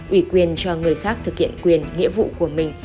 ủy quyền cho người khác thực hiện quyền nghĩa vụ của mình